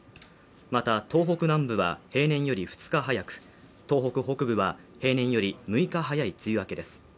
また、東北南部は平年より２日早く東北北部は平年より６日早い梅雨明けです。